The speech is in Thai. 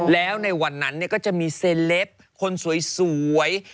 แล้วในวันนั้นก็จะมีเซเลปคนสวย